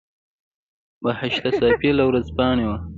بهشته صافۍ له ورځپاڼې وه.